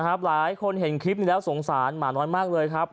หลายคนเห็นคลิปนี้แล้วสงสารหมาน้อยมากเลยครับ